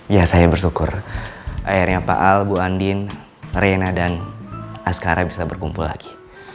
ya saya bersyukur ayahnya pak al bu andin reinna dan askara bisa berkumpul lagi